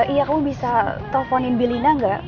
iya kamu bisa telfonin belina gak